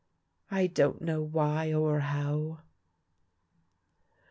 I don't know why or how."